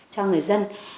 cho người dân